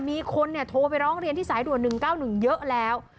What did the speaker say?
มีคนโทรไปร้องเรียนที่สายด่วน๑๙๑เยอะแล้ว